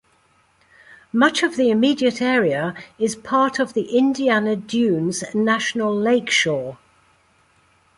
Much of the immediate area is part of the Indiana Dunes National Lakeshore.